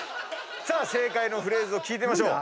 さあ正解のフレーズを聴いてみましょう。